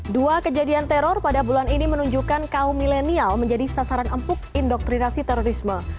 dua kejadian teror pada bulan ini menunjukkan kaum milenial menjadi sasaran empuk indoktrinasi terorisme